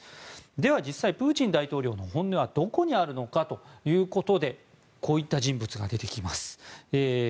では、実際にプーチン大統領の本音はどこにあるのかということでこういった人物が出てきます。